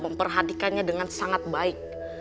memperhatikannya dengan sangat baik